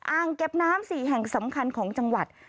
อ่างเก็บน้ำ๔แห่งสำคัญของจังหวัด